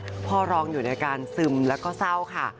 ชัดเลยว่าพ่อร้องอยู่ในการซึมแล้วก็เศร้าค่ะ